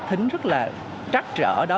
thính rất là trắc rỡ đó